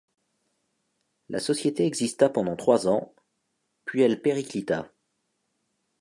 La société exista pendant trois ans, puis elle périclita.